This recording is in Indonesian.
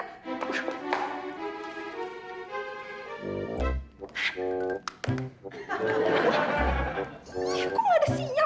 kok nggak ada sinyal